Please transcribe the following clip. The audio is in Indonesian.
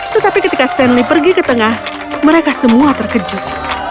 tetapi ketika stanley pergi ke tengah mereka semua terkejut